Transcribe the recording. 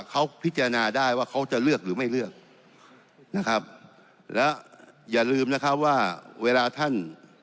เขาพิจารณาได้ว่าเขาจะเลือกหรือไม่เลือกนะครับแล้วอย่าลืมนะครับว่าเวลาท่าน